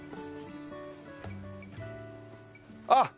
あっ！